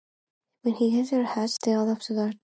When the egg hatched, Leda adopted Helen as her daughter.